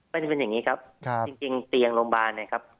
มันจะเป็นอย่างนี้ครับจริงเตียงโรงพยาบาล